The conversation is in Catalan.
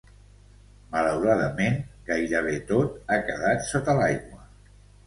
Malauradament, gairebé tot ha quedat sota aigua.